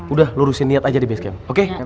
udah lu urusin niat aja di base camp oke